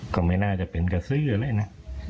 ก็ไม่น่าจะเป็นกระซื้ออะไรนะ